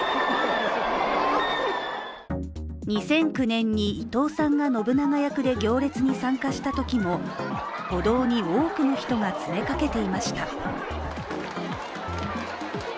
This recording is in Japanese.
２００９年に伊藤さんが信長役で行列に参加したときも歩道に多くの人が詰めかけていました。